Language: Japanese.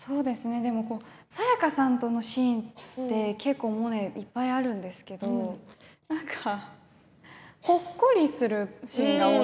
サヤカさんとのシーンってモネ、いっぱいあるんですけどほっこりするシーンが多い。